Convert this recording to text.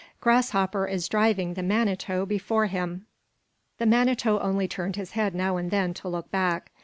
Grasshopper is driving the Manito before him." The Manito only turned his head now and then to look back.